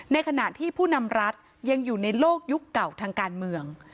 ในขณะที่ผู้นำรัฐยังอยู่ในโลกยุคเก่าทางการเมือง